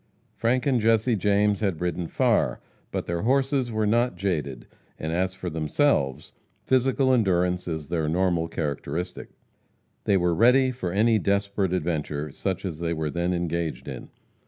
Frank and Jesse James had ridden far, but their horses were not jaded, and as for themselves, physical endurance is their normal characteristic. They were ready for any desperate adventure, such as they were then engaged in.